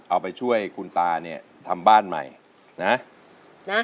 เอาไปช่วยคุณตาเนี่ยทำบ้านใหม่นะนะ